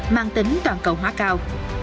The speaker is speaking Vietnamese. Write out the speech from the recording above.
mang tính toàn cầu hóa cao